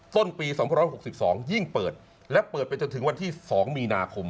ต้นปี๒๖๒ยิ่งเปิดและเปิดไปจนถึงวันที่๒มีนาคม